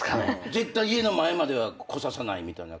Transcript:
絶対家の前までは来させないみたいな感じはしますよね。